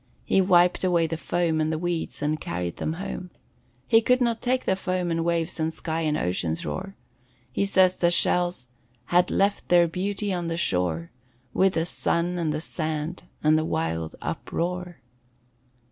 He wiped away the foam and the weeds and carried them home. He could not take the foam and waves and sky and ocean's roar. He says the shells "Had left their beauty on the shore, With the sun and the sand and the wild uproar."